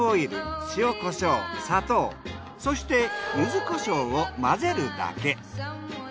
そして柚子胡椒を混ぜるだけ。